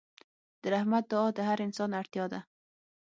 د رحمت دعا د هر انسان اړتیا ده.